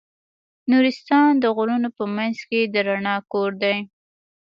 نورستان د غرونو په منځ کې د رڼا کور دی.